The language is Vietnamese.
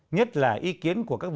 nhất là ý kiến của các đồng chí